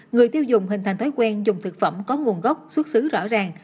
người tiêu dùng hình thành thói quen dùng thực phẩm có nguồn gốc xuất xứ rõ ràng